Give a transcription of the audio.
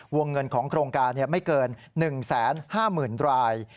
วงเงินของโครงการไม่เกิน๑๕๐๐๐ราย